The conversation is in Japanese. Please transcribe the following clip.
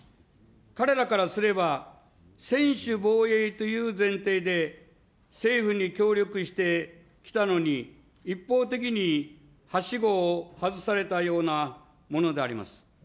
彼らからすれば、専守防衛という前提で、政府に協力してきたのに、一方的にはしごを外されたようなものであります。